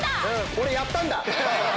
俺やったんだ！